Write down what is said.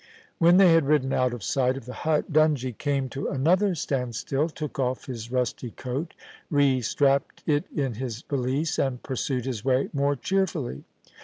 When they had ridden out of sight of the hut Dungie came to another standstill, took off his rusty coat, re strapped it in his valise, and pursued his way more cheerfully.